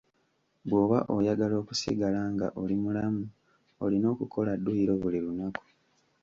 Bw'oba oyagala okusigala nga oli mulamu olina okukola dduyiro buli lunaku.